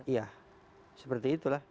iya seperti itulah